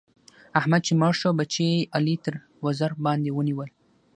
احمد چې مړ شو؛ بچي يې علي تر وزر باندې ونيول.